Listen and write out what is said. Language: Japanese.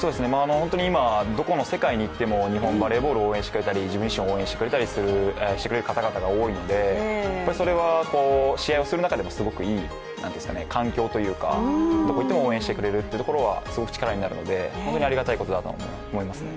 今、どこの世界に行っても、日本バレーボールを応援してくれたり、自分を応援してくれる方々が多いので、それは試合をする中でもすごくいい環境というか、どこにいっても応援してくれるってところは、すごく力になるので、本当にありがたいことだなと思います。